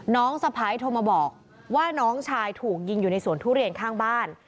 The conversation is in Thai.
สะพ้ายโทรมาบอกว่าน้องชายถูกยิงอยู่ในสวนทุเรียนข้างบ้าน